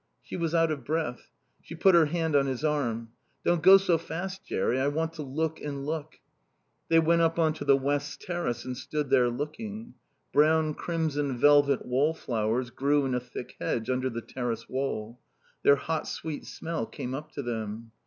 She was out of breath. She put her hand on his arm. "Don't go so fast, Jerry. I want to look and look." They went up on to the west terrace and stood there, looking. Brown crimson velvet wall flowers grew in a thick hedge under the terrace wall; their hot sweet smell came up to them.